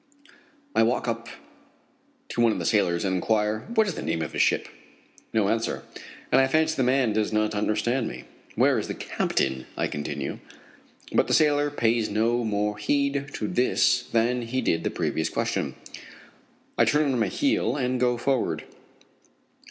I walk up to one of the sailors and inquire: "What is the name of this ship?" No answer, and I fancy the man does not understand me. "Where is the captain?" I continue. But the sailor pays no more heed to this than he did to the previous question. I turn on my heel and go forward.